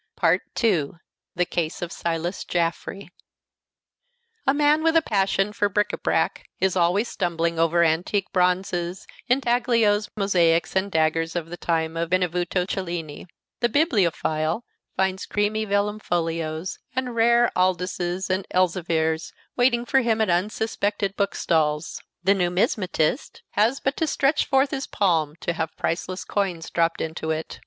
II THE CASE OF SILAS JAFFREY A man with a passion for bric a brac is always stumbling over antique bronzes, intaglios, mosaics, and daggers of the time of Benvenuto Cellini; the bibliophile finds creamy vellum folios and rare Alduses and Elzevirs waiting for him at unsuspected bookstalls; the numismatist has but to stretch forth his palm to have priceless coins drop into it.